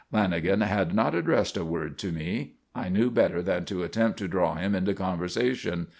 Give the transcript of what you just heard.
Lanagan had not addressed a word to me. I knew better than to attempt to draw him into conversation.